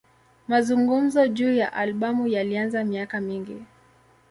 Mazungumzo juu ya albamu yalianza miaka mingi.